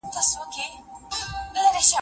د سترګو تور کسي دې وپوهوه